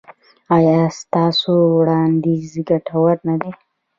ایا ستاسو وړاندیز ګټور نه دی؟